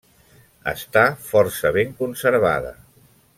Està força ben conservada.